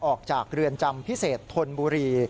ออกจากเรือนจำพิเศษธนบุรี